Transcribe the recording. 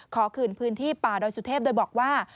ขอคืนพื้นที่ป่าดอยสุเทพโดยบอกว่า